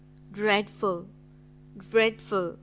"Dreadful! dreadful!"